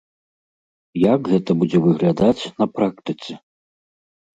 Як гэта будзе выглядаць на практыцы?